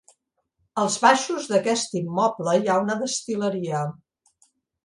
Als baixos d'aquest immoble hi ha una destil·leria.